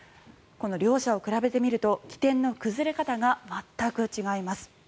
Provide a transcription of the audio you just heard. この両者を比べてみると起点の崩れ方が全く違います。